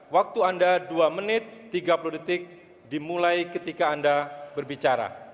waktu anda dua menit tiga puluh detik dimulai ketika anda berbicara